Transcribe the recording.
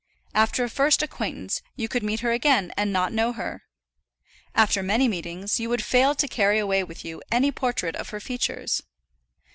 After a first acquaintance you could meet her again and not know her. After many meetings you would fail to carry away with you any portrait of her features.